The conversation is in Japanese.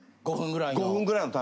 ５分ぐらいの。